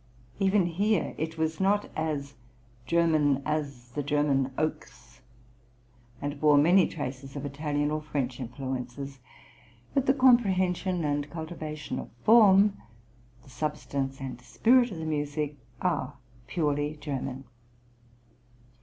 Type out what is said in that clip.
Even here it was not as "German as the German oaks," and bore many traces of Italian or French influences; but the comprehension and cultivation of form, the substance and spirit of the music, are purely German.